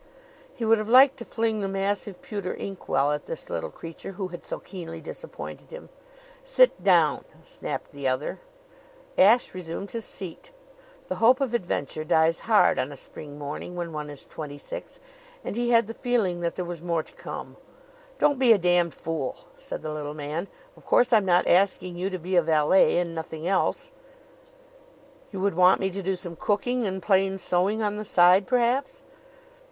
He would have liked to fling the massive pewter inkwell at this little creature who had so keenly disappointed him. "Sit down!" snapped the other. Ashe resumed his seat. The hope of adventure dies hard on a Spring morning when one is twenty six, and he had the feeling that there was more to come. "Don't be a damned fool!" said the little man. "Of course I'm not asking you to be a valet and nothing else." "You would want me to do some cooking and plain sewing on the side, perhaps?"